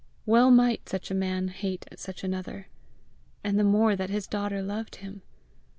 Well might such a man hate such another and the more that his daughter loved him!